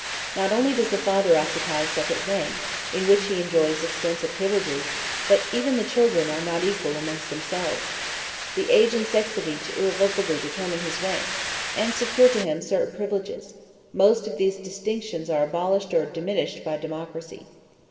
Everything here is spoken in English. Not only does the father occupy a separate rank, in which he enjoys extensive privileges, but even the children are not equal amongst themselves. The age and sex of each irrevocably determine his rank, and secure to him certain privileges: most of these distinctions are abolished or diminished by democracy.